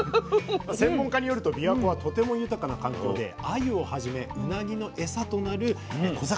専門家によるとびわ湖はとても豊かな環境であゆをはじめうなぎのエサとなる小魚も豊富なんだそうですね。